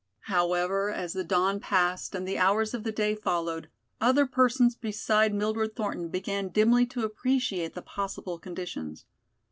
However, as the dawn passed and the hours of the day followed, other persons beside Mildred Thornton began dimly to appreciate the possible conditions.